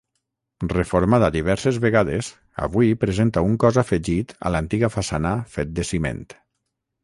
Reformada diverses vegades, avui presenta un cos afegit a l'antiga façana fet de ciment.